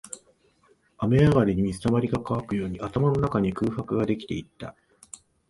雨上がりに水溜りが乾くように、頭の中に空白ができていった